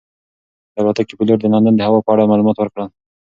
د الوتکې پېلوټ د لندن د هوا په اړه معلومات ورکړل.